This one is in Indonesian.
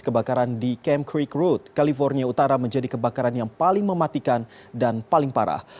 kebakaran di camp creek road california utara menjadi kebakaran yang paling mematikan dan paling parah